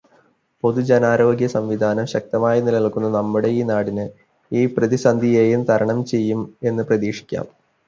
പൊതുജനാരോഗ്യസംവിധാനം ശക്തമായി നിലനിൽക്കുന്ന നമ്മുടെ നാടിന് ഈ പ്രതിസന്ധിയേയും തരണം ചെയ്യും എന്നു പ്രതീക്ഷിക്കാം.